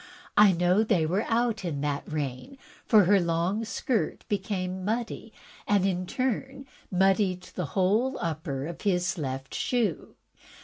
I know that they were out in that rain, for her long skirt became muddy, and in turn muddied the whole upper of his left shoe.